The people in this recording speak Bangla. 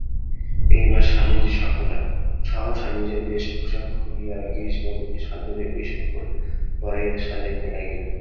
এইবার স্বামীজী সহসা নিজের বেশভূষা খুলিয়া গিরিশবাবুকে সাদরে ঐ সকল পরাইয়া সাজাইতে লাগিলেন।